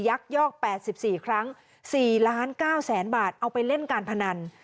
ยักษ์ยอก๘๔ครั้ง๔๙๐๐๐๐๐บาทเอาไปเล่นการพนัน